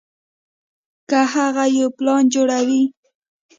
کۀ هغه يو پلان جوړوي